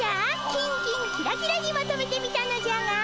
キンキンキラキラにまとめてみたのじゃが。